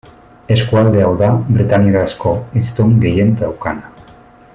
Eskualde hau da bretainierazko hiztun gehien daukana.